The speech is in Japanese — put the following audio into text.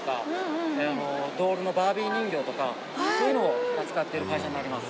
ドールの。とかそういうのを扱っている会社になります。